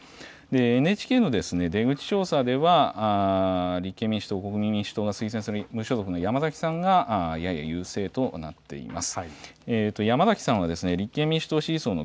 ＮＨＫの出口調査では立憲民主党、国民民主党が推薦する山崎さんが優勢となっています。